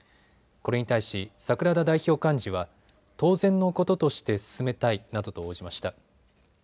これに対し櫻田代表幹事は当然のこととして進めたいなどと応じました。